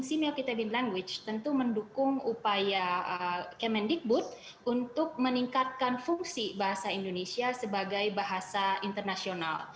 simeokitabin language tentu mendukung upaya kemendikbud untuk meningkatkan fungsi bahasa indonesia sebagai bahasa internasional